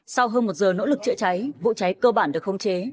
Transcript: sau hơn một giờ nỗ lực chữa cháy vụ cháy cơ bản được khống chế